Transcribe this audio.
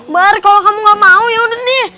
bar kalau kamu gak mau yaudah nih